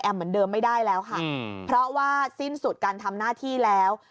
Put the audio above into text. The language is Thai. เหมือนเดิมไม่ได้แล้วค่ะเพราะว่าสิ้นสุดการทำหน้าที่แล้ว